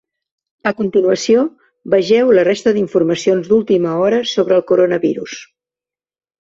A continuació, vegeu la resta d’informacions d’última hora sobre el coronavirus.